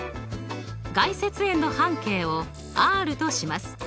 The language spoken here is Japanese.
外接円の半径をＲとします。